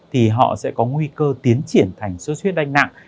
thì họ sẽ có nguy cơ tiến triển thành suốt huyết đanh nặng